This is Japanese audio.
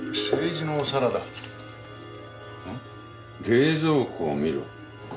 「冷蔵庫を見ろ」。